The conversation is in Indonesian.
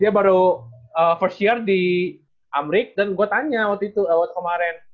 dia baru first share di amrik dan gue tanya waktu itu lewat kemarin